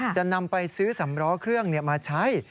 จะนำไปซื้อสำล้อเครื่องมาใช้